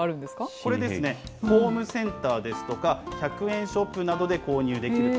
これですね、ホームセンターですとか１００円ショップなどで購入できると。